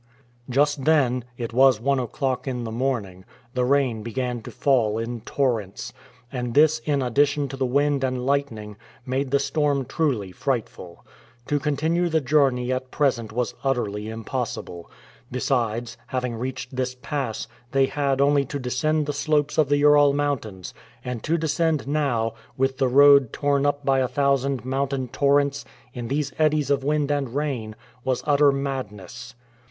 Just then it was one o'clock in the morning the rain began to fall in torrents, and this in addition to the wind and lightning, made the storm truly frightful. To continue the journey at present was utterly impossible. Besides, having reached this pass, they had only to descend the slopes of the Ural Mountains, and to descend now, with the road torn up by a thousand mountain torrents, in these eddies of wind and rain, was utter madness.